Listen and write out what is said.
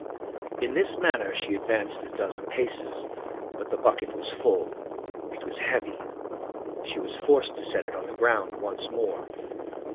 In this manner she advanced a dozen paces, but the bucket was full; it was heavy; she was forced to set it on the ground once more.